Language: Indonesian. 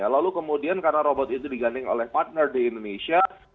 lalu kemudian karena robot itu diganding oleh partner di indonesia